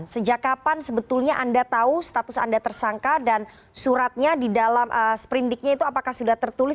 sejak kapan sebetulnya anda tahu status anda tersangka dan suratnya di dalam sprindiknya itu apakah sudah tertulis